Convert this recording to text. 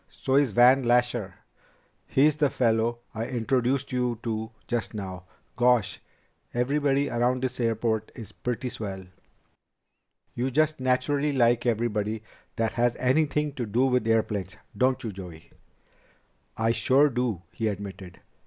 "So's Van Lasher he's the fellow I introduced you to just now. Gosh! Everybody around this airport is pretty swell." "You just naturally like everybody that has anything to do with airplanes, don't you, Joey?" "I sure do," he admitted.